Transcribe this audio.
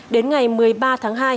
đến ngày một mươi ba tháng hai